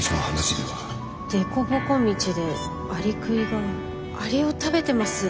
でこぼこ道でアリクイがアリを食べてます。